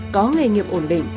có nghề nghiệp ổn định